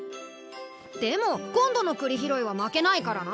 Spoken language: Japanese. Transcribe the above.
でも今度のクリ拾いは負けないからな。